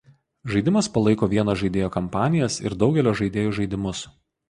Žaidimas palaiko vieno žaidėjo kampanijas ir daugelio žaidėjų žaidimus.